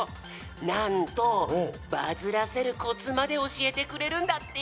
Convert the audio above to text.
なんとバズらせるコツまでおしえてくれるんだって！